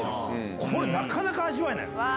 これなかなか味わえないよ。